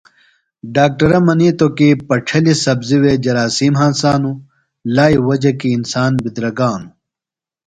ڈاکٹرہ منیتوۡ کیۡ پڇھلیۡ سبزیۡ وےۡ جراثیم ہنسانوۡ۔ لائیۡ وجہ کیۡ انسان بدِرگانوۡ۔